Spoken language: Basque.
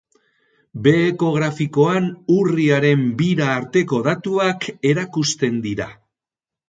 Beheko grafikoan urriaren bira arteko datuak erakusten dira.